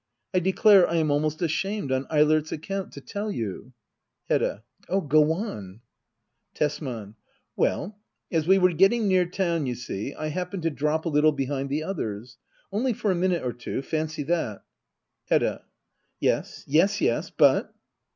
I declare I am almost ashamed — on Eilert's account — to tell you Hedda. Oh, go on ! Tesman. Well, as we were getting near town, you see, I happened to drop a little behind the others. Only for a minute or two — fancy that ! Hedda. Yes yes yes, but